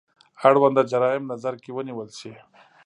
اړونده جرايم نظر کې ونیول شي.